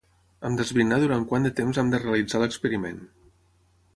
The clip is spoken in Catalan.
Hem d'esbrinar durant quant de temps hem de realitzar l'experiment.